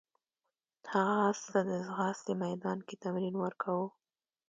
هغه اس ته د ځغاستې میدان کې تمرین ورکاوه.